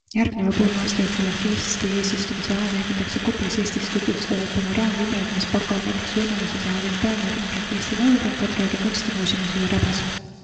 Järgneva poole aasta jooksul ehk Eesti eesistumise ajal näidatakse kuplis Eestit tutvustavaid panoraamvideoid, mis pakuvad näiteks võimaluse teha virtuaalne ringkäik Eesti laulupeol, Kadrioru kuntsimuuseumis või rabas.